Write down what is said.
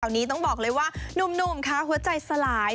ตอนนี้ต้องบอกเลยว่านุ่มค่ะหัวใจสลาย